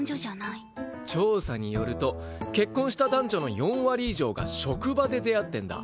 調査によると結婚した男女の４割以上が職場で出会ってんだ。